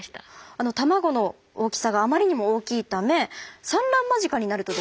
あの卵の大きさがあまりにも大きいため産卵間近になるとですね